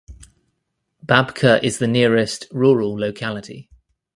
Babka is the nearest rural locality.